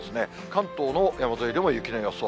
関東の山沿いでも雪の予想。